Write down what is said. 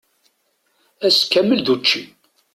Ass kamel d učči.